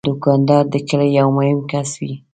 دوکاندار د کلي یو مهم کس وي.